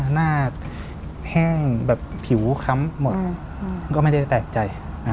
หน้าแห้งแบบผิวค้ำหมดก็ไม่ได้แปลกใจ